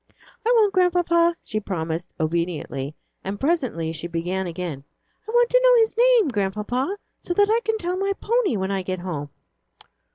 "I won't, Grandpapa," she promised, obediently, and presently she began again, "I want to know his name, Grandpapa, so that I can tell my pony when I get home."